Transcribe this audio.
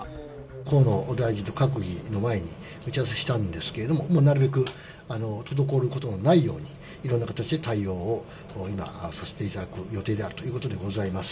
河野大臣と閣議の前に打ち合わせをしたんですけれども、なるべく滞ることのないように、いろんな形で対応を今、させていただく予定であるということでございます。